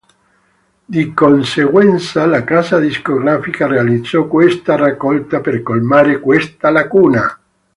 Di conseguenza la casa discografica realizzò questa raccolta per colmare questa lacuna.